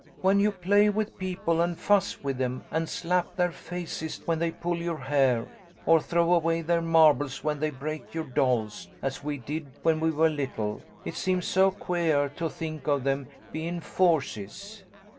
" When you play with people and fuss with them, and slap their faces when they pull your hair, or throw away their marbles when 138 THE LITTLE COLONEL'S HOLIDAYS, they break your dolls, as we did, when we were little, it seems so queah to think of them bein' forces."